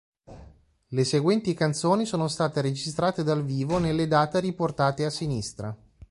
Le seguenti canzoni sono state registrate dal vivo nelle date riportate a sinistra.